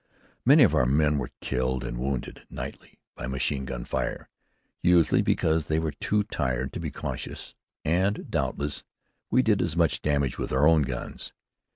Many of our men were killed and wounded nightly by machine gun fire, usually because they were too tired to be cautious. And, doubtless, we did as much damage with our own guns.